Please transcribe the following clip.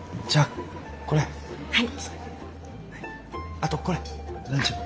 あとこれランチも。